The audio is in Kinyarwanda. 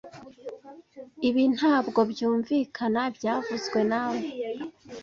Ibi ntabwo byumvikana byavuzwe nawe